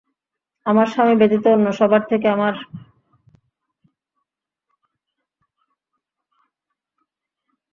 আমার স্বামী ব্যতীত অন্য সবার থেকে আমার লজ্জাস্থানকে হিফাজত করেছি।